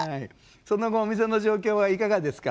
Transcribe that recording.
その後お店の状況はいかがですか？